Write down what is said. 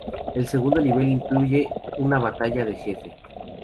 El segundo nivel incluye una batalla de jefe.